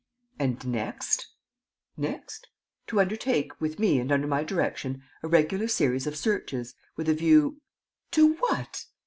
"And next?" "Next? To undertake, with me and under my direction, a regular series of searches with a view...." "To what?"